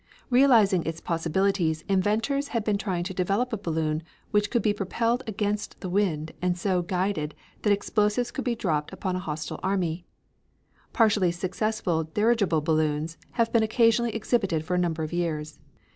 Realizing its possibilities inventors had been trying to develop a balloon which could be propelled against the wind and so guided that explosives could be dropped upon a hostile army. Partially successful dirigible balloons have been occasionally exhibited for a number of years.